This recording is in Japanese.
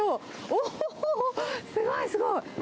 おー、すごい、すごい。